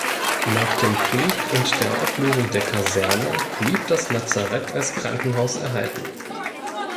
Nach dem Krieg und der Auflösung der Kaserne blieb das Lazarett als Krankenhaus erhalten.